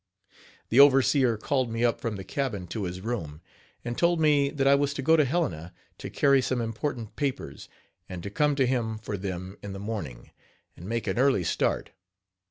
The overseer called me up from the cabin to his room, and told me that I was to go to Helena to carry some important papers, and to come to him for them in the morning, and make an early start.